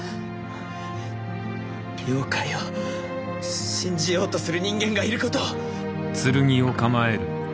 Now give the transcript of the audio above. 妖怪を信じようとする人間がいることを！